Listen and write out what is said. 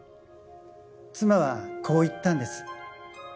妻はこう言ったんです。